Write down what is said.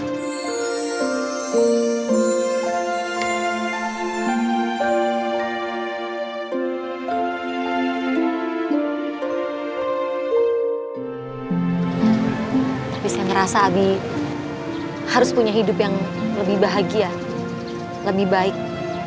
tapi saya merasa abi harus punya hidup yang lebih bahagia lebih baik